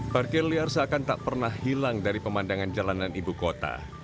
parkir liar seakan tak pernah hilang dari pemandangan jalanan ibu kota